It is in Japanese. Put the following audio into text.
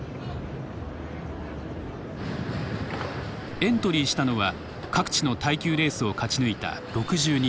エントリーしたのは各地の耐久レースを勝ち抜いた６２台。